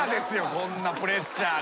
こんなプレッシャー。